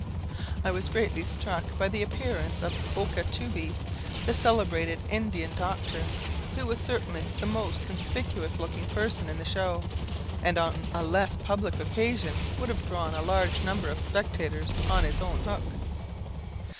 I was greatly struck by the appearance of Okah Tubee, the celebrated Indian doctor, who was certainly the most conspicuous looking person in the show, and on a less public occasion would have drawn a large number of spectators on his own hook.